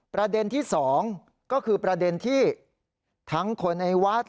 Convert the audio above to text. ประเด็นที่๒ก็คือประเด็นที่ทั้งคนในวัด